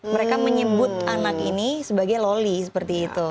mereka menyebut anak ini sebagai loli seperti itu